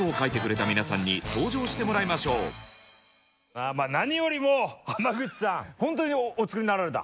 まあまあ何よりも浜口さんホントにお作りになられた？